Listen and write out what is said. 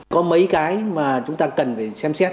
có mấy cái mà chúng ta cần phải xem xét